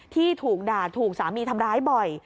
ที่ถูกด่าถูกสามีทำร้ายบ่อย